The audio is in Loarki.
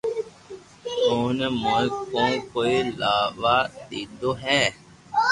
اوني موئي ڪون ڪوئي آوا ديدو ھي